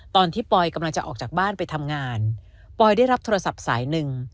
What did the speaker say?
ตอนที่ปอยกำลังจะออกจากบ้านไปทำงานปอยได้รับโทรศัพท์สายหนึ่ง